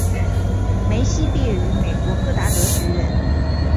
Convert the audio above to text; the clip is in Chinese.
梅西毕业于美国戈达德学院。